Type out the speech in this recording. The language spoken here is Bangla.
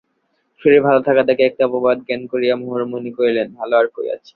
শরীর ভালো থাকাটাকে একটা অপবাদ জ্ঞান করিয়া হরিমোহিনী কহিলেন, ভালো আর কই আছে!